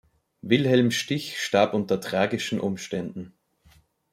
Wilhelm Stich starb unter tragischen Umständen.